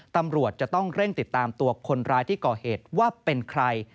ตำรวจจะต้องเร่งติดตามตัวคนร้ายที่ก่อเหตุว่าเป็นใคร